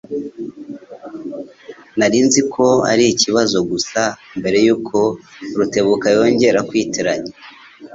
Nari nzi ko ari ikibazo gusa mbere yuko Rutebuka yongera kwitiranya